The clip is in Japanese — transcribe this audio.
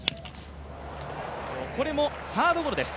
これもサードゴロです。